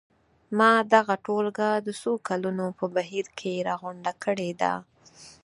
ما دغه ټولګه د څو کلونو په بهیر کې راغونډه کړې ده.